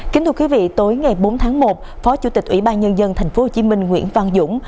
kính thưa quý vị tối ngày bốn tháng một phó chủ tịch ủy ban nhân dân tp hcm nguyễn văn dũng